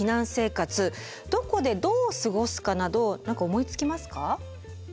どこでどう過ごすかなど何か思いつきますか？